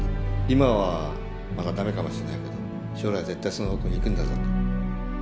今はまだ駄目かもしれないけど将来絶対その方向に行くんだぞと。